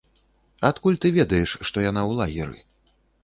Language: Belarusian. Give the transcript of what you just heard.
Адкуль ты ведаеш, што яна ў лагеры?